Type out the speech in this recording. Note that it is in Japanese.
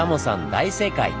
大正解！